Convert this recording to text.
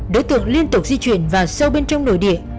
đối tượng liên tục di chuyển và sâu bên trong nội địa